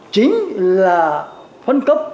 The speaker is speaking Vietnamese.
chính là phân cấp